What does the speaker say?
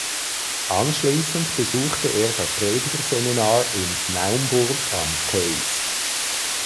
Anschließend besuchte er das Predigerseminar in Naumburg am Queis.